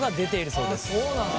そうなんだ。